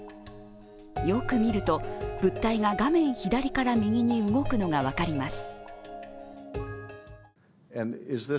よく見ると、物体が画面左から右に動くのが分かります。